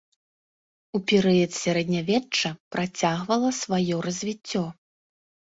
У перыяд сярэднявечча працягвала сваё развіццё.